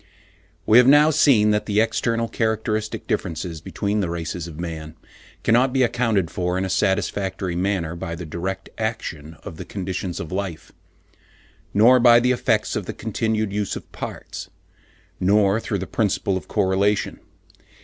We have now seen that the external characteristic differences between the races of man cannot be accounted for in a satisfactory manner by the direct action of the conditions of life, nor by the effects of the continued use of parts, nor through the principle of correlation.